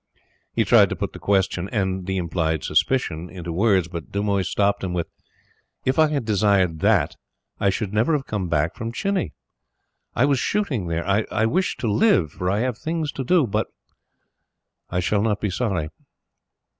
He tried to put the question, and the implied suspicion into words, but Dumoise stopped him with: "If I had desired THAT, I should never have come back from Chini. I was shooting there. I wish to live, for I have things to do.... but I shall not be sorry."